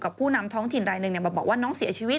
ผู้นำท้องถิ่นรายหนึ่งมาบอกว่าน้องเสียชีวิต